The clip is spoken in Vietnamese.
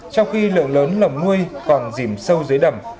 trong khi lượng lớn lồng nuôi còn dìm sâu dưới đầm